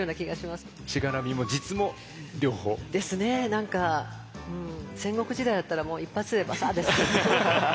何か戦国時代だったらもう一発でバサーッですけど。